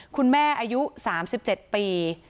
คุณแม่อายุ๓๗ปี